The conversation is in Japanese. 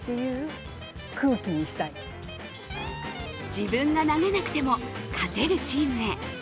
自分が投げなくても勝てるチームへ。